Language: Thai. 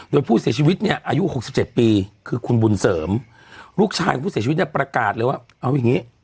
โดยผู้เสียชีวิตเนี่ยอายุ๖๗ปีคือคุณบุญเสริมลูกชายของผู้เสียชีวิตเนี่ยประกาศเลยว่าเอาอย่างนี้